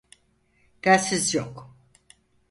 Telsiz yok.